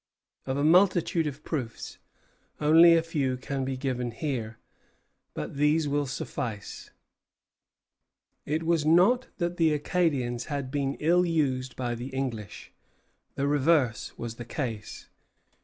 Of a multitude of proofs, only a few can be given here; but these will suffice. It was not that the Acadians had been ill used by the English; the reverse was the case.